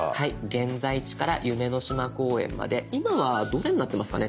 「現在地」から「夢の島公園」まで今はどれになってますかね？